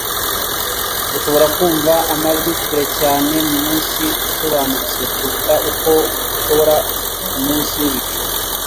Urashobora kumva amajwi kure cyane muminsi isobanutse kuruta uko ushobora kumunsi wibicu